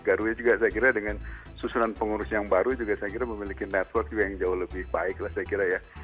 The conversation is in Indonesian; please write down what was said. garuda juga saya kira dengan susunan pengurus yang baru juga saya kira memiliki network yang jauh lebih baik lah saya kira ya